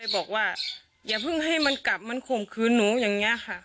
บอกว่าอย่าเพิ่งให้มันกลับมันข่มขืนหนูอย่างนี้ค่ะ